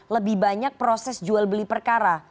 lebih banyak proses jual beli perkara